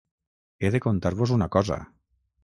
He de contar-vos una cosa.